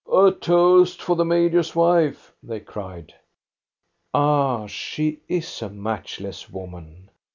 " A toast for the major's wife !" they cried. Ah, she is a matchless woman